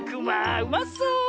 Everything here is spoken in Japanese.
うまそう。